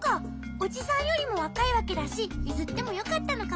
おじさんよりもわかいわけだしゆずってもよかったのかもね。